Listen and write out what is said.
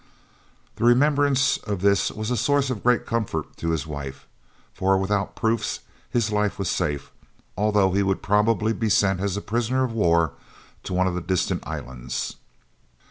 The remembrance of this was a source of great comfort to his wife, for, without proofs, his life was safe, although he would probably be sent as prisoner of war to one of the distant islands.